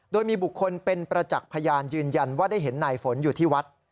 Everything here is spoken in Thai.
โดยมีบุคคลเป็นประจักษ์พยานยืนยันว่าได้เห็นนายฝนอยู่ที่วัด